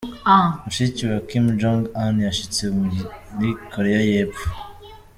Mushiki wa Kim Jong-un yashitse muri Korea y'epfo.